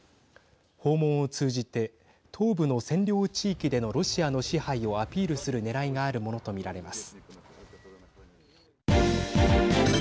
訪問を通じて東部の占領地域でのロシアの支配をアピールするねらいがあるものと見られます。